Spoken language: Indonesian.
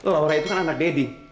laura itu kan anak deddy